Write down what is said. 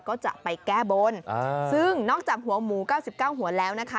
ก็จะไปแก้บนซึ่งนอกจากหัวหมู๙๙หัวแล้วนะคะ